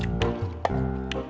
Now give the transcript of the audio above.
terima kasih banyak